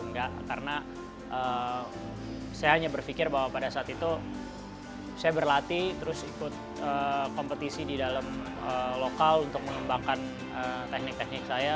enggak karena saya hanya berpikir bahwa pada saat itu saya berlatih terus ikut kompetisi di dalam lokal untuk mengembangkan teknik teknik saya